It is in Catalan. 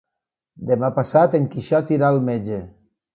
Demà passat en Quixot irà al metge.